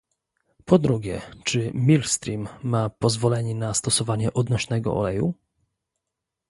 Po drugie, czy Millstream ma pozwolenie na stosowanie odnośnego oleju?